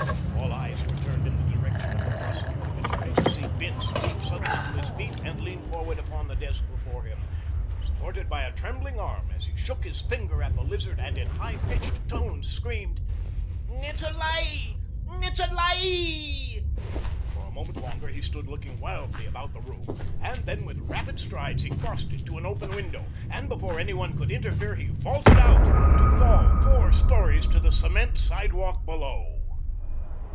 All eyes were turned in the direction of the prosecuting attorney to see Bince leap suddenly to his feet and lean forward upon the desk before him, supported by a trembling arm as he shook his finger at the Lizard, and in high pitched tones screamed, "It's a lie! It's a lie!" For a moment longer he stood looking wildly about the room, and then with rapid strides he crossed it to an open window, and before any one could interfere he vaulted out, to fall four stories to the cement sidewalk below.